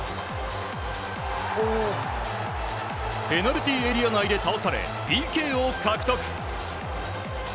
ペナルティーエリア内で倒されＰＫを獲得。